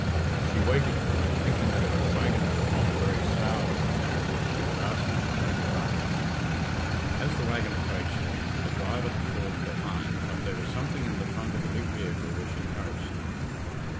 She waited for it, thinking that if the waggoner were not a very sour looking man, she would ask him to take her up. As the waggon approached her, the driver had fallen behind, but there was something in the front of the big vehicle which encouraged her.